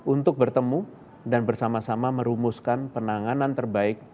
untuk bertemu dan bersama sama merumuskan penanganan terbaik